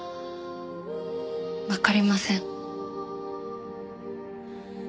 わかりません。